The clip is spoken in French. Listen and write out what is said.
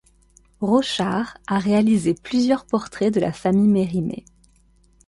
Rochard a réalisé plusieurs portraits de la famille Mérimée.